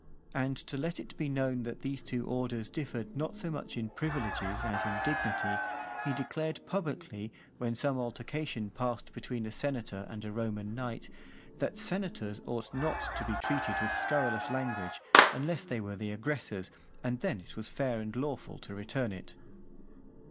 And to let it be known that those two orders differed not so much in privileges as in dignity, he declared publicly, when some altercation passed between a senator and a Roman knight, "that senators ought not to be treated with scurrilous language, unless they were the aggressors, and then it was fair and lawful to return it."